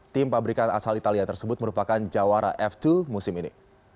tim pabrikan asal italia tersebut merupakan jawara f dua musim ini